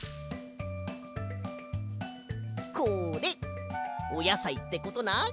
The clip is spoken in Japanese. これおやさいってことな。